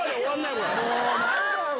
これ。